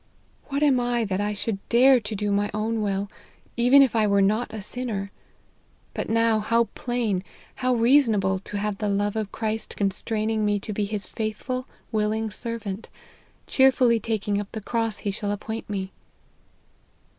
What am I that I should dare to do my own will, even if I were not a sinner ; but now how plain, how reasonable to have the love of Christ constraining me to be his faithful willing servant, cheerfully taking up the cross he shall appoint me."